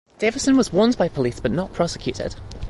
Davison was warned by police but not prosecuted.